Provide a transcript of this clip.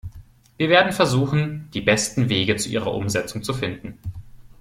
Wir werden versuchen, die besten Wege zu ihrer Umsetzung zu finden.